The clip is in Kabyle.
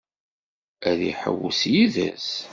Ad iḥewwes yid-s?